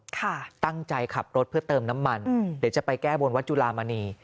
ตั้งใจขับรถเพื่อเติมน้ำมันเดี๋ยวจะไปแก้บนวัดจุลามณี